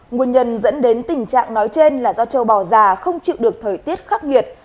nguyên nhân dẫn đến tình trạng nói trên là do châu bò già không chịu được thời tiết khắc nghiệt